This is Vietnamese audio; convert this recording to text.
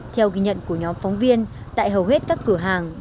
theo ghi nhận của nhóm phóng viên tại hầu hết các cửa hàng